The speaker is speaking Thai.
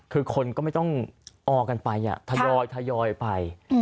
คือคนก็ไม่ต้องออกกันไปทยอยไป